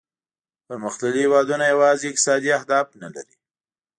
پرمختللي هیوادونه یوازې اقتصادي اهداف نه لري